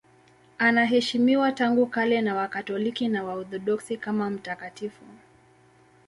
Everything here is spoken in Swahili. Anaheshimiwa tangu kale na Wakatoliki na Waorthodoksi kama mtakatifu.